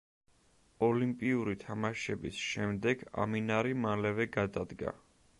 ოლიმპიური თამაშების შემდეგ ამინარი მალევე გადადგა.